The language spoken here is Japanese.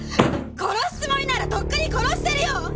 殺すつもりならとっくに殺してるよ！